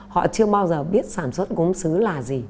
họ chưa bao giờ biết sản xuất gốm xứ là gì